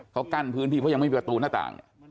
เขากั้นพื้นที่เพราะยังไม่มีประตูหน้าต่าง